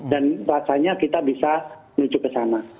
dan rasanya kita bisa menuju ke sana